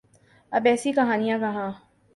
اب ایسی کہانیاں کہاں۔